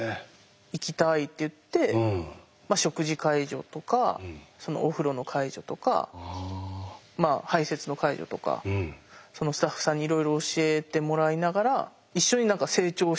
行きたいって言って食事介助とかお風呂の介助とか排せつの介助とかスタッフさんにいろいろ教えてもらいながら一緒に何か成長していくみたいな感じでしたね